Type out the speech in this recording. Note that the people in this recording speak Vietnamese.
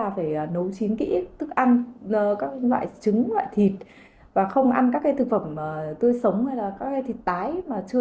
ví dụ như là đồ ăn sống đồ ăn chín thì không nên để cùng với nhau